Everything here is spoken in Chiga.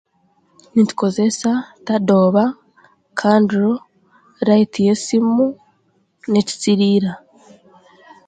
Nitukozesa tadoba, kanduro, raiti y'esimu, n'ekisiriira.